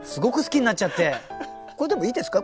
これでもいいですか？